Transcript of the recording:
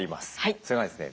それはですね